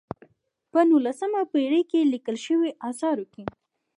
په نولسمه پېړۍ کې لیکل شویو آثارو کې.